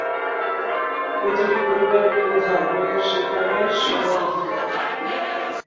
প্রতিটি পরিবারের প্রধানের সেখানে সমান অধিকার।